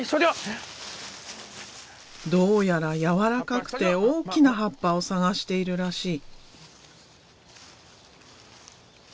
どうやら柔らかくて大きな葉っぱを探しているらしい。